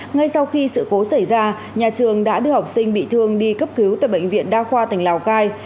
ngay sau khi sự cố xảy ra nhà trường đã đưa học sinh bị thương đi cấp cứu tại bệnh viện đa khoa tỉnh lào cai